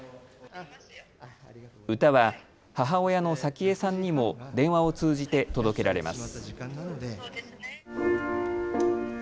歌は母親の早紀江さんにも電話を通じて届けられます。